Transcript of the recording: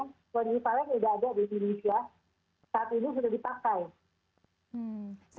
kuadrifalen tidak ada di indonesia